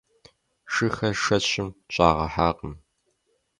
Шыхэр шэщым щӀагъэхьакъым.